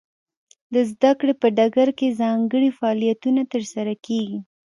د زده کړې په ډګر کې ځانګړي فعالیتونه ترسره کیږي.